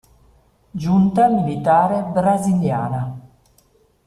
Giunta militare brasiliana